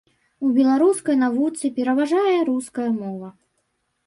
У беларускай навуцы пераважае руская мова.